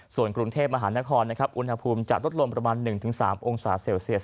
ส่วนกรุงเทพมหานครอุณหภูมิจะลดลงประมาณ๑๓องศาเซลเซียส